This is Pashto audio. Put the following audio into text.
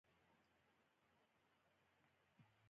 د زړه درملنه اوس له مخکې ډېره پرمختللې ده.